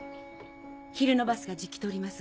昼のバスがじき通ります。